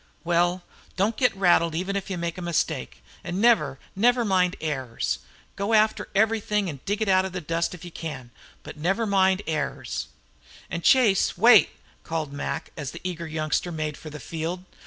"Well, don't get rattled even if you do make a mistake, an' never, never mind errors. Go after everythin' an' dig it out of the dust if you can, but never mind errors!" "An' Chase, wait," called Mac, as the eager youngster made for the field.